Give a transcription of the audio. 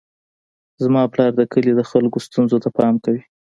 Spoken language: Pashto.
زما پلار د کلي د خلکو ستونزو ته پام کوي.